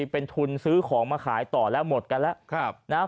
เป็นทุนซื้อของมาขายต่อแล้วหมดกันแล้ว